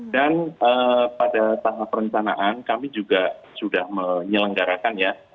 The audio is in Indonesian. dan pada tahap perencanaan kami juga sudah menyelenggarakan ya